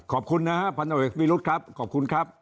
ขอบคุณนะฮะพันธุเอกวิรุธครับขอบคุณครับ